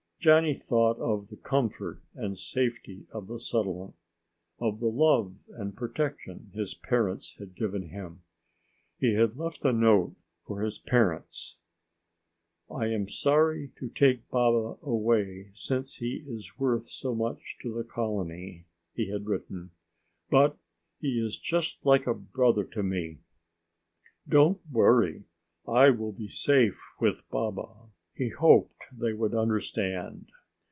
Johnny thought of the comfort and safety of the settlement, of the love and protection his parents had given him. He had left a note for his parents. "I am sorry to take Baba away since he is worth so much to the colony," he had written. "But he is just like a brother to me. Don't worry. I will be safe with Baba." He hoped they would understand.